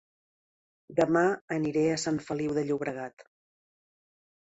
Dema aniré a Sant Feliu de Llobregat